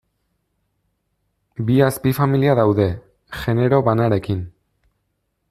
Bi azpifamilia daude, genero banarekin.